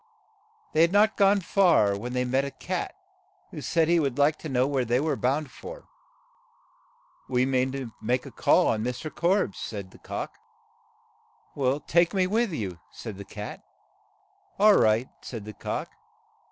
They had not gone far when they met a cat, who said he would like to know where they were bound for. "We mean to make a call on Mr. Korbes," said the cock. "Take me with you," said the cat. "All right," said the cock.